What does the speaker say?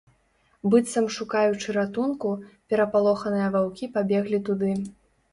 Быццам шукаючы ратунку, перапалоханыя ваўкі пабеглі туды.